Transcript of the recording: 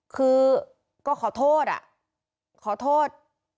คือก็ขอโทษอ่ะขอโทษ